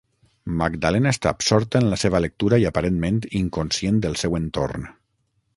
Magdalena està absorta en la seva lectura i aparentment inconscient del seu entorn.